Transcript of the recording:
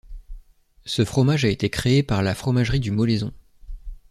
Ce fromage a été créé par la fromagerie du Moléson.